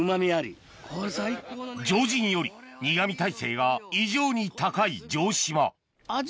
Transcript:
常人より苦味耐性が異常に高い城島味